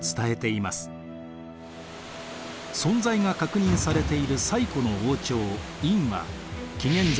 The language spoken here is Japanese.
存在が確認されている最古の王朝殷は紀元前